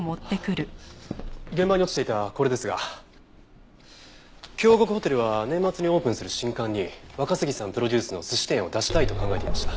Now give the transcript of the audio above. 現場に落ちていたこれですが京極ホテルは年末にオープンする新館に若杉さんプロデュースの寿司店を出したいと考えていました。